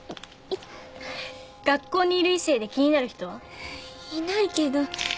学校にいる異性で気になる人は？いないけど。